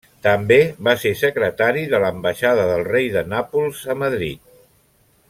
També va ser secretari de l’ambaixada del rei de Nàpols a Madrid.